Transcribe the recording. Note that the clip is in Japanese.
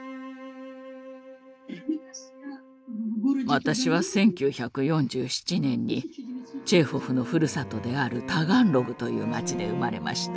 私は１９４７年にチェーホフのふるさとであるタガンログという町で生まれました。